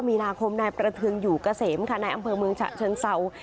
๒๙มีนาคมในประเทิงอยู่เกษมค่ะในอำเภอเมืองฉะเชิงเซา